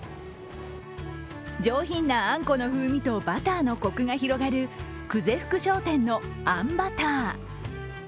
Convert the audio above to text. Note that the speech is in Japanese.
上品なあんこの風味とバターのコクが広がる久世福商店のあんバター。